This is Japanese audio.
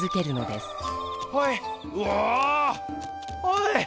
おい。